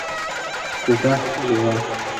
کوټه ښکلې وه.